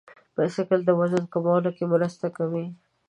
بایسکل د وزن کمولو کې مرسته کوي.